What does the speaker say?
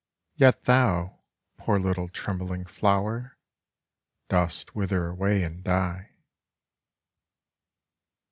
Yet thou, poor little trembling flower. Dost wither away and die.